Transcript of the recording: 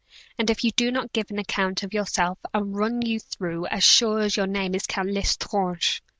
"And if you do not give an account of yourself, I'll run you through as sure as your name is Count L'Estrange!"